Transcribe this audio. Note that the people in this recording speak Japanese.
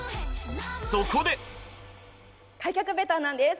そこで開脚ベターなんです